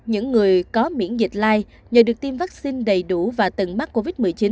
những người có miễn dịch lai nhờ được tiêm vaccine đầy đủ và từng mắc covid một mươi chín